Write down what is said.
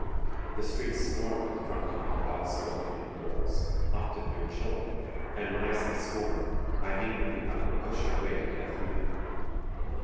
The streets swarm with drunken and foul spoken young girls often mere children; and when I say swarm, I mean that you have to push your way to get through them.